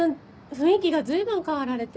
雰囲気が随分変わられて。